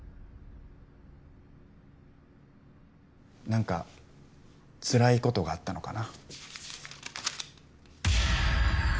何かつらいことがあったのかな？